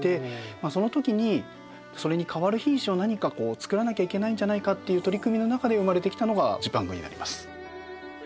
そのときそれにかわる品種を何かこうつくらなきゃいけないんじゃないかっていう取り組みの中で生まれてきたのがジパングになります。